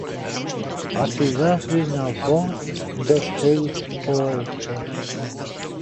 A cidade na voz dos seus poetas.